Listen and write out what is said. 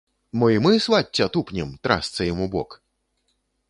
Мо і мы, свацця, тупнем, трасца ім у бок?